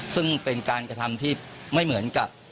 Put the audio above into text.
ซึ่งเป็นการกระทำที่ไม่เหมือนกับ